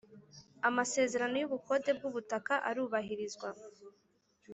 Amasezerano y’ ubukode bw ‘ubutaka arubahirizwa.